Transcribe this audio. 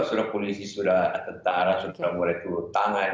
sudah polisi sudah tentara sudah murid murid tangan